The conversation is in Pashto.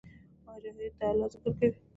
مجاهد د الله ذکر کوي.